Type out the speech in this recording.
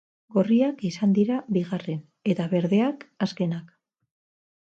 Gorriak izan dira bigarren, eta berdeak, azkenak.